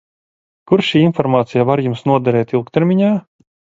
Kur šī informācija var Jums noderēt ilgtermiņā?